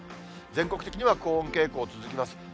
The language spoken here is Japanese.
全国的には高温傾向、続きます。